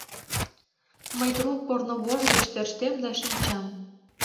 Мый трук корнывож гыч тӧрштем да шинчам.